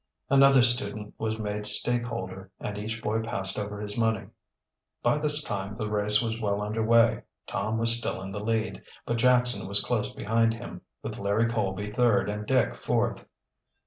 Another student was made stakeholder and each boy passed over his money. By this time the race was well underway. Tom was still in the lead, but Jackson was close behind him, with Larry Colby third and Dick fourth.